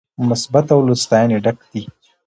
مثبت او له ستاينې ډک دي